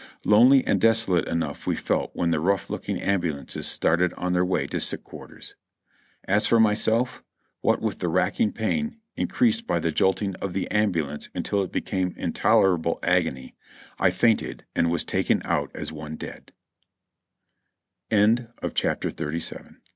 Lonely and desolate enough we felt when the rough looking ambulances started on their way to sick quarters. As for myself, what with the racking pain, increased by the jolt ing of the ambulance until it became intolerable agony, I fainted and was taken o